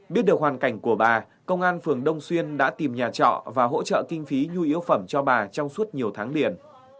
biết được hoàn cảnh của bà công an phường đông xuyên đã tìm nhà trọ và hỗ trợ kinh phí nhu yếu phẩm cho bà trong suốt nhiều tháng liền